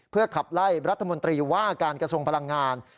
เพื่อขับไล่รัฐมนตรีว่าการกระทรวงพลังงาน